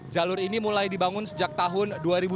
jalur ini mulai dibangun sejak tahun dua ribu sepuluh